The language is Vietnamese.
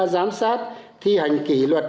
giám sát thi hành kỷ luật